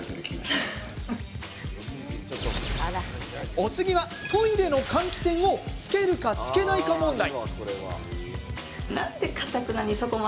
お次は、トイレの換気扇をつけるか、つけないか問題。